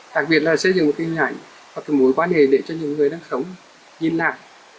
đặc biệt là xây dựng một kinh ngạch hoặc mối quan hệ để cho những người đang sống nhìn nạc